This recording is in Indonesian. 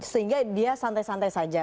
sehingga dia santai santai saja